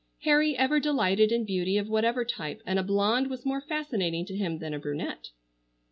Harry ever delighted in beauty of whatever type, and a blonde was more fascinating to him than a brunette.